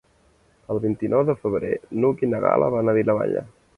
El vint-i-nou de febrer n'Hug i na Gal·la van a Vilamalla.